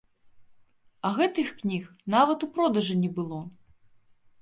А гэтых кніг нават у продажы не было!